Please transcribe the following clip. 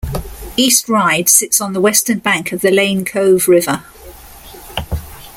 East Ryde sits on the western bank of the Lane Cove River.